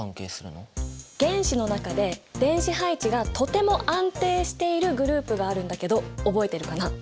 原子の中で電子配置がとても安定しているグループがあるんだけど覚えているかな？